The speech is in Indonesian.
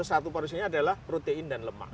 satu porsinya adalah protein dan lemak